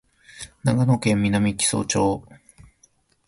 長野県南木曽町